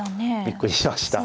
びっくりしました。